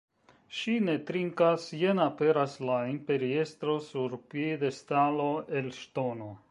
Ŝi ne trinkas, jen aperas la imperiestro sur piedestalo el ŝtono.